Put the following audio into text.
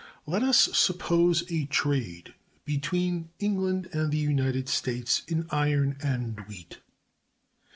Let us suppose a trade between England and the United States, in iron and wheat.